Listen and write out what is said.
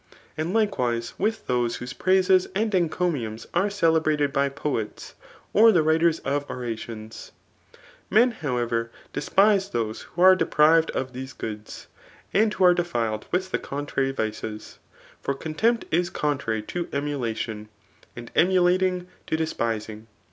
And likewise with those whose praises 9ai, encomiums are celebrated by poets, or the writ^ of orations. Men, however, despise those who are de ^med of these goods, and who are defiled with the con trary tdcesV for owMcmpt is contrary to emulation, and CHAP. XIV. KH£TORIC. 145 emulating to despising.